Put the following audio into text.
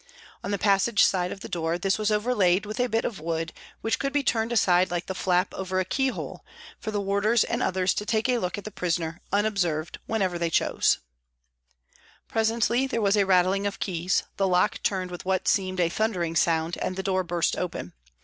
On the passage side of the door this was overlaid with a bit of wood which could be turned aside like the flap over a key hole, for the warders and others to take a look at the prisoner, unobserved, whenever they chose. 70 PRISONS AND PRISONERS Presently there was a rattling of keys, the lock turned with what seemed a thundering sound and the door burst open.